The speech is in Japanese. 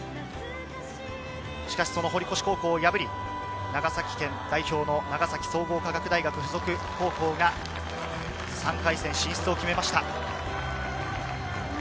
しかし堀越高校を破り、長崎県代表の長崎総合科学大学附属高校が３回戦進出を決めました。